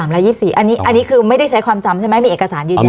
๒๓และ๒๔อันนี้คือไม่ได้ใช้ความจำใช่ไหมมีเอกสารอยู่อย่างนั้น